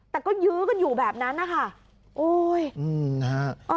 แต่ก็ยื้อกันอยู่แบบนั้นนะคะโอ้ยอืมนะฮะ